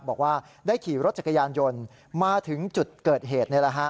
บอกว่าได้ขี่รถจักรยานยนต์มาถึงจุดเกิดเหตุ